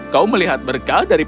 kau melihat berkah dari perhatianmu